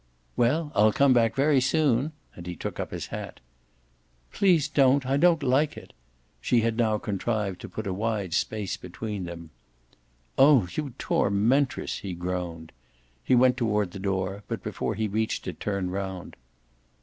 "Well, I'll come back very soon" and he took up his hat. "Please don't I don't like it." She had now contrived to put a wide space between them. "Oh you tormentress!" he groaned. He went toward the door, but before he reached it turned round.